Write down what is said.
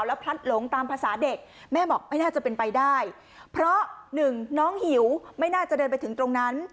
แล้วพลัดหลงตามภาษาเด็กแม่บอกไม่น่าจะเป็นไปได้เพราะหนึ่งน้องหิวไม่น่าจะเดินไปถึงตรงนั้น